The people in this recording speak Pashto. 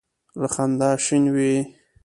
له خندا شین وي.